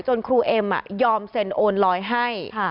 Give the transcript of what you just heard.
ครูเอ็มยอมเซ็นโอนลอยให้